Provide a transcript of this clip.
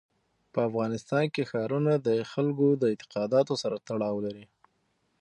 په افغانستان کې ښارونه د خلکو د اعتقاداتو سره تړاو لري.